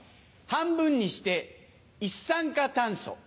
半分にして一酸化炭素。